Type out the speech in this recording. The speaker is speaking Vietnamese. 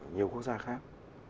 nhiều quốc gia khác